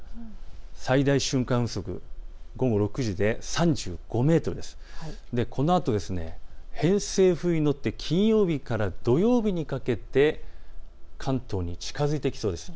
最大瞬間風速で午後６時で３５メートル、このあと偏西風に乗って金曜日から土曜日にかけて関東に近づいてきそうです。